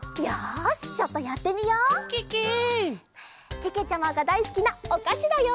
けけちゃまがだいすきなおかしだよ！